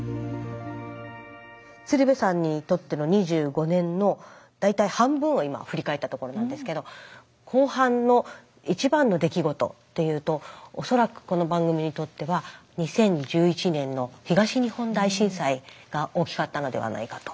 鶴瓶さんにとっての２５年の大体半分を今振り返ったところなんですけど後半の一番の出来事っていうと恐らくこの番組にとっては２０１１年の東日本大震災が大きかったのではないかと。